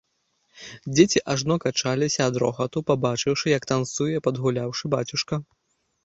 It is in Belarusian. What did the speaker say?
Дзеці ажно качаліся ад рогату, пабачыўшы, як танцуе падгуляўшы бацюшка.